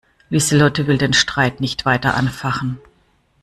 Lieselotte will den Streit nicht weiter anfachen.